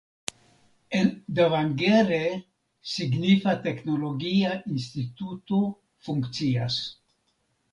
En Davangere signifa teknologia instituto funkcias.